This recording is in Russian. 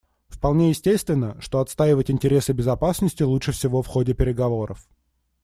Вполне естественно, что отстаивать интересы безопасности лучше всего в ходе переговоров.